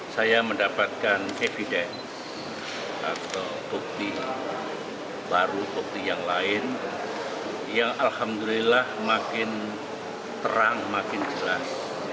saya mendapatkan evidence atau bukti baru bukti yang lain yang alhamdulillah makin terang makin jelas